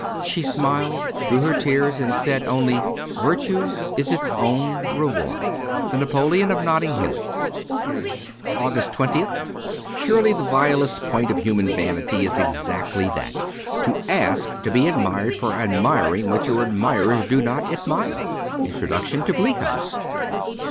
She smiled through her tears, and said only, * Virtue is its own reward.' ' The Napoleon of Notting Hill.'' 257 AUGUST 20th SURELY the vilest point of human vanity is exactly that ; to ask to be admired for admiring what your admirers do not admire. Introduction to * Bleak House.